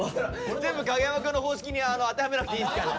全部影山くんの方式に当てはめなくていいですから。